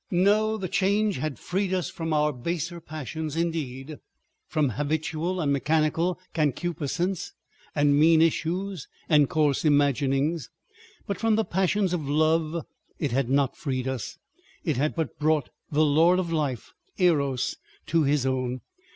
No! the Change had freed us from our baser passions indeed, from habitual and mechanical concupiscence and mean issues and coarse imaginings, but from the passions of love it had not freed us. It had but brought the lord of life, Eros, to his own.